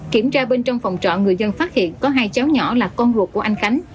kiểm tra bên trong phòng trọ người dân phát hiện có hai cháu nhỏ là con ruột của anh khánh